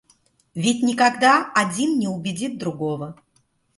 Ведь никогда один не убедит другого.